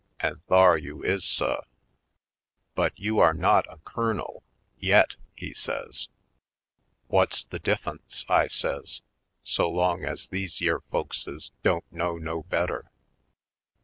An' thar you is, suhl" "But you are not a colonel — yet," he says. "Whut's the diff'unce," I says, "so long ez these yere folkses don't know no better.